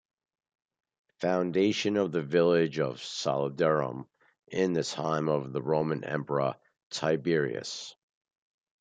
Foundation of the village of "Salodurum" in the time of the roman emperor Tiberius.